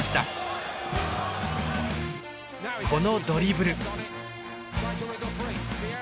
このドリブル。